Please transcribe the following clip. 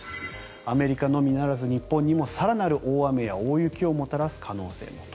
アメリカのみならず日本にも更なる大雨や大雪をもたらす可能性もと。